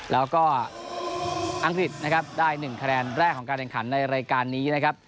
แล้วก็อังกฤษนะครับได้๑คะแนนแรกของการแข่งขันในรายการนี้นะครับ